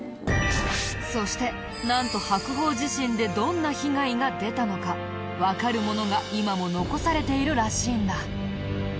そしてなんと白鳳地震でどんな被害が出たのかわかるものが今も残されているらしいんだ。